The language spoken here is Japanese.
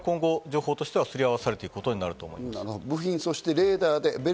これは今後、情報として合わされていくことになると思います。